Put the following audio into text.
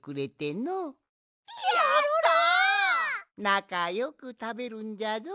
なかよくたべるんじゃぞ。